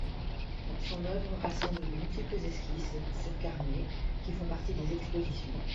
Son œuvre rassemble de multiples esquisses sur carnets qui font partie des expositions.